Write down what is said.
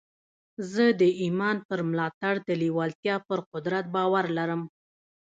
زه د ايمان پر ملاتړ د لېوالتیا پر قدرت باور لرم.